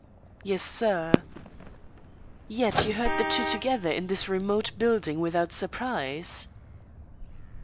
"Yes, sir." "Yet you heard the two together in this remote building without surprise?"